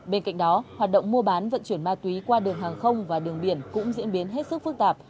bên cạnh đó hoạt động mua bán vận chuyển ma túy qua đường hàng không và đường biển cũng diễn biến hết sức phức tạp